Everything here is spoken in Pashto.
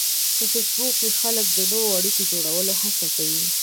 په فېسبوک کې خلک د نوو اړیکو جوړولو هڅه کوي